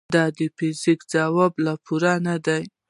د فزیک خواب لا پوره نه دی.